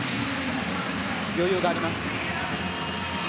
余裕があります。